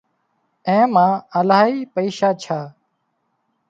اين مان الاهي پئيشا ڇا